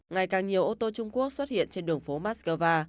ngày càng nhiều ô tô trung quốc xuất hiện trên đường phố moscow